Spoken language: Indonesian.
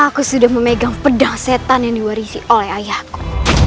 aku sudah memegang pedang setan yang diwarisi oleh ayahku